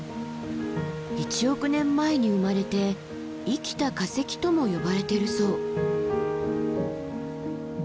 １億年前に生まれて生きた化石とも呼ばれてるそう。